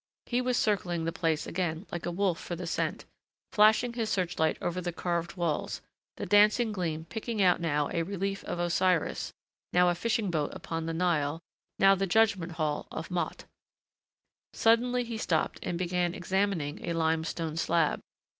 He was circling the place again like a wolf for the scent, flashing his search light over the carved walls, the dancing gleam picking out now a relief of Osiris, now a fishing boat upon the Nile, now the judgment hall of Maat. Suddenly he stopped and began examining a limestone slab.